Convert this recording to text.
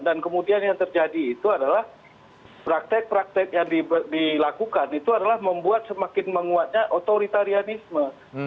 dan kemudian yang terjadi itu adalah praktek praktek yang dilakukan itu adalah membuat semakin menguatnya otoritarianisme